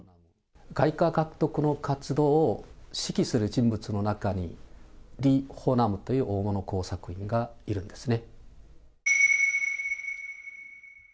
外貨獲得の活動を、指揮する人物の中にリ・ホナムという大物工作員がいるんですね。